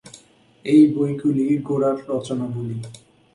এই বইগুলি গোরার রচনাবলী।